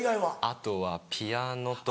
あとはピアノと。